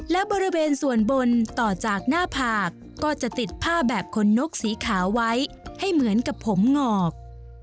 และบริเวณส่วนบนต่อจากหน้าผากก็จะติดผ้าแบบคนนกสีขาวไว้ให้เหมือนกับผมงอก